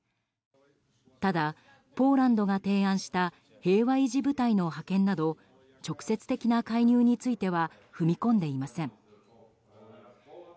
ただ、ポーランドが提案した平和維持部隊の派遣など直接的な介入については踏み込んでいません。